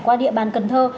qua địa bàn cần thơ